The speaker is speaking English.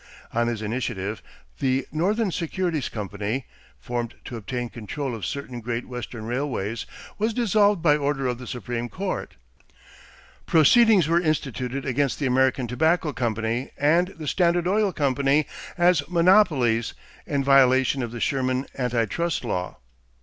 On his initiative, the Northern Securities Company, formed to obtain control of certain great western railways, was dissolved by order of the Supreme Court. Proceedings were instituted against the American Tobacco Company and the Standard Oil Company as monopolies in violation of the Sherman Anti Trust law.